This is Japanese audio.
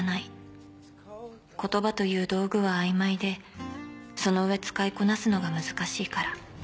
［言葉という道具は曖昧でその上使いこなすのが難しいから］